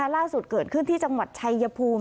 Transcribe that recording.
ล่าสุดเกิดขึ้นที่จังหวัดชายภูมิ